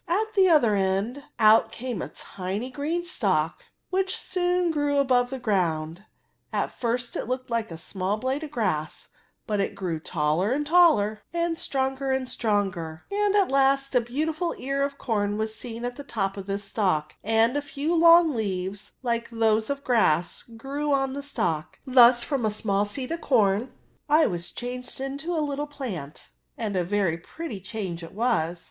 At the other end out came a tiny green stalk, which soon grew above the grounds At first it looked like a small blade of grass; but it grew taller and taller, and stronger and •stronger, and at last a beautiful ear of corn was seen at the top of this stalk, and a few long leaves, like those of grass^ grew oa the stalk. Thus from a small seed of corn I was changed into a little plant ; and a very pretty change it was.